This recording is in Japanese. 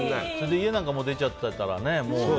家なんか出ちゃったらもうね。